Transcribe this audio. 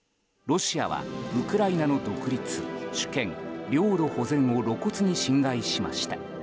ロシアはウクライナの独立・主権・領土保全を露骨に侵害しました。